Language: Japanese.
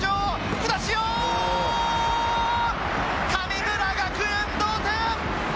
神村学園、同点！